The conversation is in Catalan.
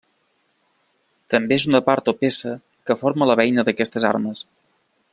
També és una part o peça que forma la beina d'aquestes armes.